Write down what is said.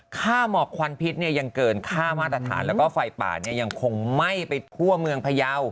ค่าหมอกควันพิษยังเกินค่ามาตรฐานแล้วก็ไฟป่ายังคงไหม้ไปทั่วเมืองพยาว